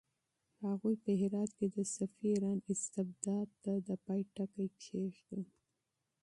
هغوی په هرات کې د صفوي ایران استبداد ته د پای ټکی کېښود.